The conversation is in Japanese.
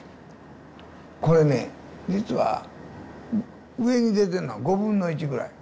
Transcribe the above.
これね実は上に出ているのは５分の１ぐらい。